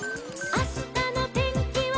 「あしたのてんきは」